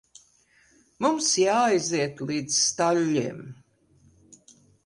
Mums jāaiziet līdz staļļiem.